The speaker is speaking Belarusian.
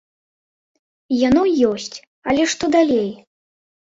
Яно ёсць, але што далей?